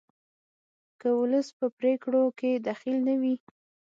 که ولس په پریکړو کې دخیل نه وي